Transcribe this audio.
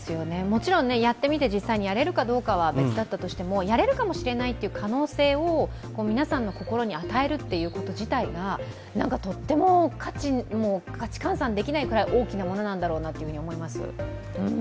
もちろんやってみて実際やれるかどうかは別ですけど、やれるかもしれないという可能性を皆さんの心に与えること事態がとっても価値換算できないくらい大きなものなんだなと思います。